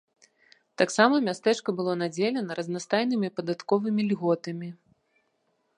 Таксама мястэчка было надзелена разнастайнымі падатковымі льготамі.